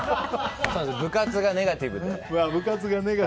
部活がネガティ部で。